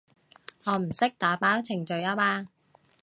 我唔識打包程序吖嘛